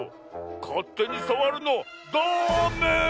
かってにさわるのダメ！